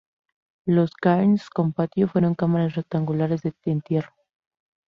Los "cairns" con patio fueron cámaras rectangulares de entierro.